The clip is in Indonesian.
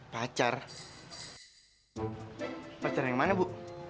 pacar pacar yang mana bu